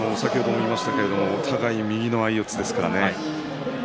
お互い右の相四つですからね。